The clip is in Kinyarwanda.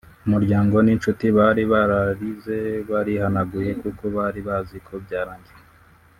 umuryango n'inshuti bari bararize barihanaguye kuko bari bazi ko byarangiye